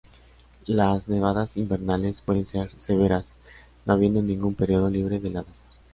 Las nevadas invernales pueden ser severas; no habiendo ningún período libre de heladas.